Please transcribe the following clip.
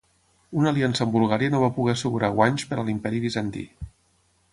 Una aliança amb Bulgària no va poder assegurar guanys per a l'imperi bizantí.